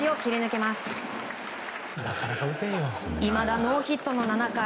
いまだノーヒットの７回。